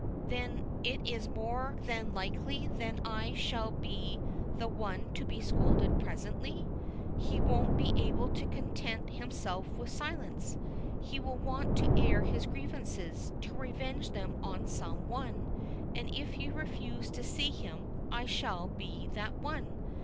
Then it is more than likely that I shall be the one to be scolded presently. He won't be able to content himself with silence. He will want to air his grievances, to revenge them on some one, and if you refuse to see him, I shall be that one.